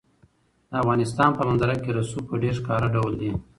د افغانستان په منظره کې رسوب په ډېر ښکاره ډول دي.